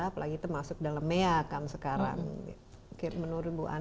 apalagi termasuk dalam mea acam sekarang menurut bu anne